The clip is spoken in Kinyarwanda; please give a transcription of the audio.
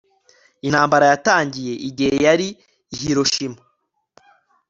Intambara yatangiye igihe yari i Hiroshima